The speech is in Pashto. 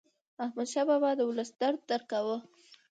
احمدشاه بابا د ولس درد درک کاوه.